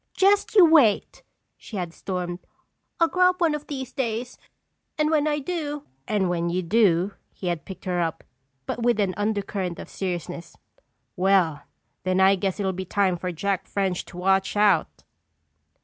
"Just you wait!" she had stormed. "I'll grow up one of these days—and when I do—" "And when you do," he had picked her up, but with an undercurrent of seriousness, "well, then I guess it will be time for Jack French to watch out."